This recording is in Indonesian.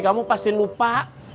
kamu pasti lupa